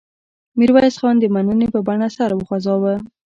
میرویس خان د مننې په بڼه سر وخوځاوه.